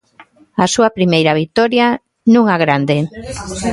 A súa primeira vitoria nunha grande.